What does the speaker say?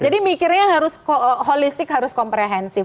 jadi mikirnya harus holistik harus komprehensif